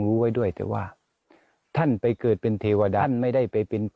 ฤดังอีกเป็นแบบนึง